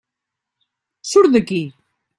Surt d'aquí!